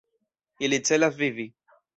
Ili celas vivi.